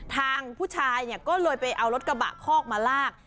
ทางผู้ชายเนี่ยก็เลยไปเอารถกระบะคอกมาลาก